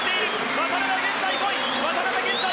渡辺は現在５位。